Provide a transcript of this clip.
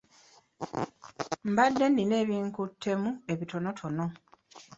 Mbadde nina ebinkuttemu ebitonotono.